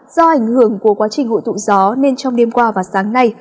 do ảnh hưởng của quá trình hội tụ gió nên trong đêm qua và sáng nay